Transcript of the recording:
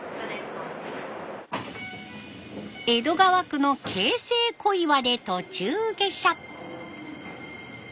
江戸川区の京成小岩で途中下車。